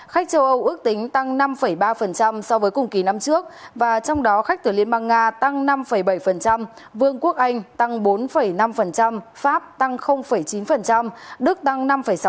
khách châu âu ước tính tăng năm ba so với cùng kỳ năm trước và trong đó khách từ liên bang nga tăng năm bảy vương quốc anh tăng bốn năm pháp tăng chín đức tăng năm sáu